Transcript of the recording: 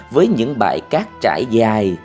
với những bãi cát trải dài